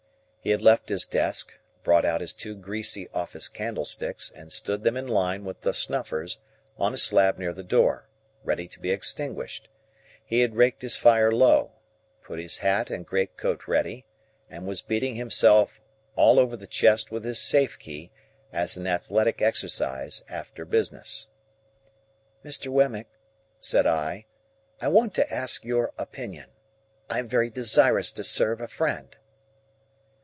He had left his desk, brought out his two greasy office candlesticks and stood them in line with the snuffers on a slab near the door, ready to be extinguished; he had raked his fire low, put his hat and great coat ready, and was beating himself all over the chest with his safe key, as an athletic exercise after business. "Mr. Wemmick," said I, "I want to ask your opinion. I am very desirous to serve a friend."